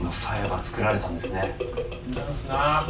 んだすな。